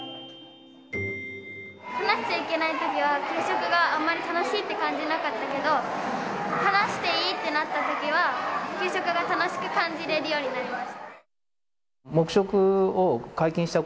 話しちゃいけないときは、給食があまり楽しいって感じなかったけど、話していいってなったときは、給食が楽しく感じられるようになりました。